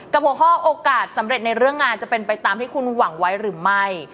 หัวข้อโอกาสสำเร็จในเรื่องงานจะเป็นไปตามที่คุณหวังไว้หรือไม่